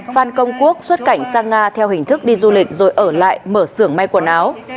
phan công quốc xuất cảnh sang nga theo hình thức đi du lịch rồi ở lại mở xưởng may quần áo